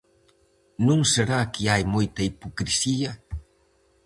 Non será que hai moita hipocrisía?